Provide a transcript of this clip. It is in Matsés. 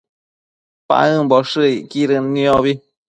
paëmboshëcquidën niobi